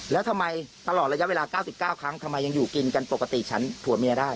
แล้วทำไมตลอดระยะเวลา๙๙ครั้งทำไมยังอยู่กินกันปกติฉันผัวเมียได้